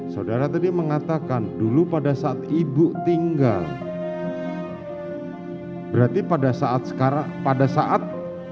saudara tadi mengatakan dulu pada saat ibu tinggal berarti pada saat sekarang pada saat